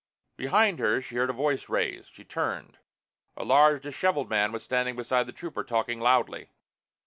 Behind her she heard a voice raised. She turned. A large, disheveled man was standing beside the Trooper, talking loudly.